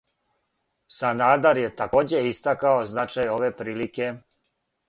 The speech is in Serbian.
Санадер је такође истакао значај ове прилике.